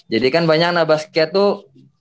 jadi kan banyak anak basket tuh